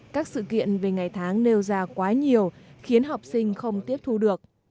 các sự kiện về ngày tháng nêu ra quá nhiều khiến học sinh không tiếp thu được